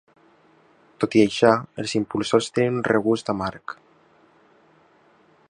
Tot i això, els impulsors tenen un regust amarg.